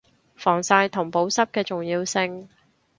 防曬同保濕嘅重要性